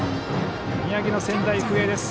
宮城の仙台育英です。